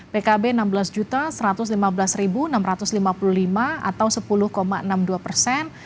pkb enam belas satu ratus lima belas enam ratus lima puluh lima atau sepuluh enam puluh dua persen